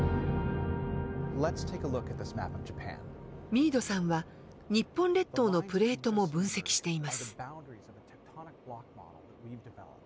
ミードさんは日本列島のプレートも分析しています。